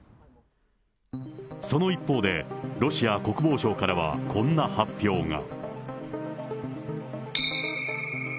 その一方で、ロシア国防省からはこんな発表が。